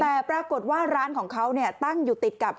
แต่ปรากฏว่าร้านของเขาตั้งอยู่ติดกับ